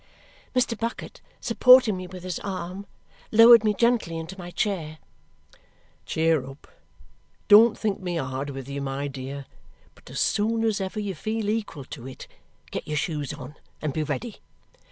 Mr. Bucket, supporting me with his arm, lowered me gently into my chair. "Cheer up! Don't think me hard with you, my dear, but as soon as ever you feel equal to it, get your shoes on and be ready."